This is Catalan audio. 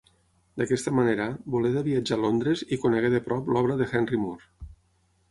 D’aquesta manera, Boleda viatjà a Londres i conegué de prop l’obra de Henry Moore.